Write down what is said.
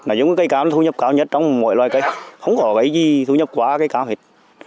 nói dung cây cám là thu nhập cao nhất trong mọi loài cây không có cái gì thu nhập quá cây cám hết